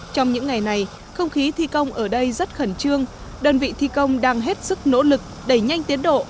trong những ngày này không khí thi công ở đây rất khẩn trương đơn vị thi công đang hết sức nỗ lực đẩy nhanh tiến độ